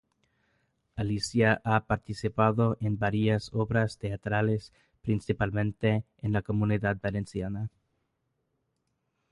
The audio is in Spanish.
Alicia ha participado en varias obras teatrales, principalmente en la Comunidad Valenciana.